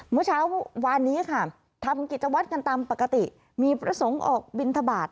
เมื่อเช้าวานนี้ค่ะทำกิจวัตรกันตามปกติมีพระสงฆ์ออกบินทบาท